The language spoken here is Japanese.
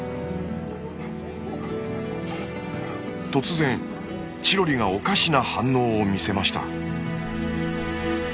突然チロリがおかしな反応を見せました。